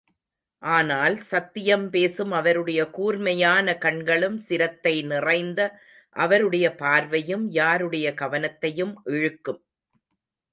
ஆனால், சத்தியம் பேசும் அவருடைய கூர்மையான கண்களும், சிரத்தை நிறைந்த அவருடைய பார்வையும் யாருடைய கவனத்தையும் இழுக்கும்.